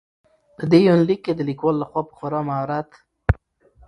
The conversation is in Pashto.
په دې يونليک کې د ليکوال لخوا په خورا مهارت.